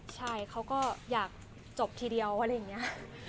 ใช่เขาก็อยากจบทีเดียวอะไรอย่างนี้